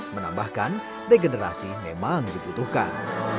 menambahkan degenerasi memang dibutuhkan